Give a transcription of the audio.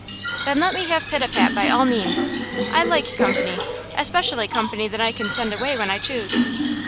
"Then let me have Pitapat by all means. I like company, especially company that I can send away when I choose."